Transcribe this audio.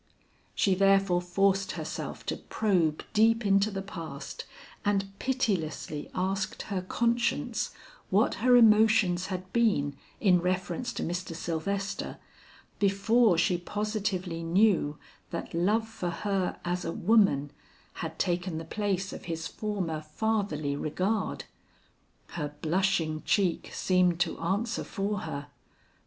She therefore forced herself to probe deep into the past, and pitilessly asked her conscience, what her emotions had been in reference to Mr. Sylvester before she positively knew that love for her as a woman had taken the place of his former fatherly regard. Her blushing cheek seemed to answer for her.